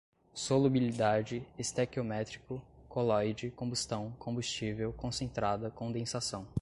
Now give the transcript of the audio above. solubilidade, estequiométrico, coloide, combustão, combustível, concentrada, condensação